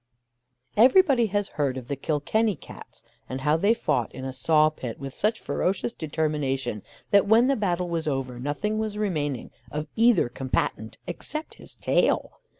Everybody has heard of the Kilkenny Cats, and how they fought in a saw pit with such ferocious determination, that when the battle was over, nothing was remaining of either combatant except his tail.